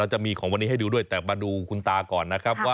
เราจะมีของนี้ให้ดูด้วยแต่มาดูคุณตาก่อน